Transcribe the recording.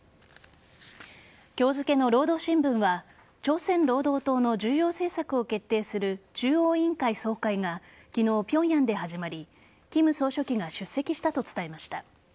今日付の労働新聞は朝鮮労働党の重要政策を決定する中央委員会総会が昨日、平壌で始まり金総書記が出席したと伝えました。